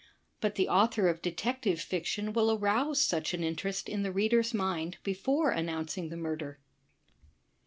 But the author of detective fiction will arouse such an interest in the reader's mind before announcing the murder.